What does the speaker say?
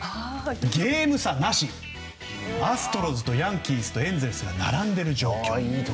ゲーム差なしでアストロズとヤンキースとエンゼルスが並んでいる状況。